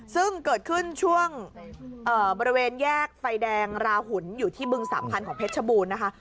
ซึ่งเกิดขึ้นช่วงบริเวณแยกไฟแดงราหุ่นอยู่ที่บึงสามพันธ์ของเพชรชบูรณ์นะคะ